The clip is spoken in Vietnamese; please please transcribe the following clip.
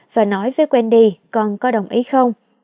và nói với wendy con có đồng ý không